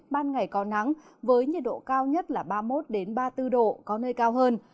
ban ngày có nắng với nhiệt độ cao nhất là ba mươi một ba mươi bốn độ có nơi cao hơn